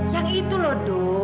yang itu loh do